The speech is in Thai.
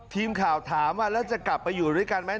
ทีมข่าวถามว่าแล้วจะกลับไปอยู่ด้วยกันไหม